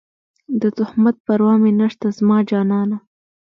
د تهمت پروا مې نشته زما جانانه